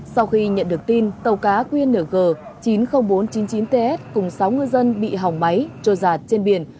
sau khi nhận được tin tàu cá khuyên ng chín mươi nghìn bốn trăm chín mươi chín ts cùng sáu ngư dân bị hỏng máy trôi rạt trên biển